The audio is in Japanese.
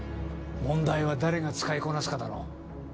問題は誰が使いこなすかだろう